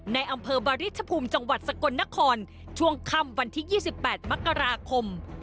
ในอำเภอบาริชภูมิจังหวัดสกลนครช่วงค่ำวันที่๒๘มกราคม